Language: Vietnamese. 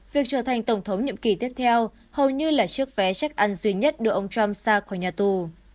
việc trở thành tổng thống nhiệm kỳ tiếp theo hầu như là chiếc vé check ăn duy nhất đưa ông trump xa khỏi nhà tù